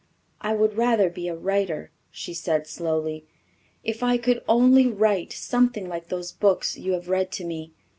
"I would rather be a writer," she said slowly, "if I could only write something like those books you have read to me.